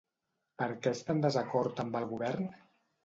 Per què està en desacord amb el Govern?